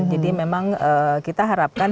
jadi memang kita harapkan